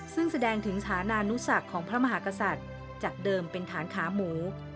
ซึ่งแสดงถึงฐานานุสักของพระมหากษัตริย์จากเดิมเป็นฐานขาหมู